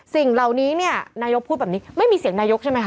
สิ่งเหล่านี้เนี่ยนายกพูดแบบนี้ไม่มีเสียงนายกใช่ไหมค